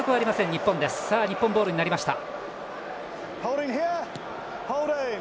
日本ボールになりました。